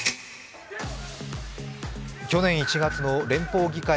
去年１月の連邦議会